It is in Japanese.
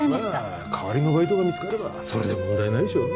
まあかわりのバイトが見つかればそれで問題ないでしょ